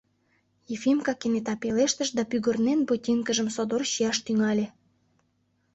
— Ефимка кенета пелештыш да, пӱгырнен, ботинкыжым содор чияш тӱҥале.